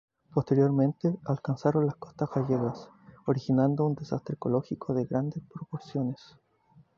Posteriormente, alcanzaron las costas gallegas, originando un desastre ecológico de grandes proporciones.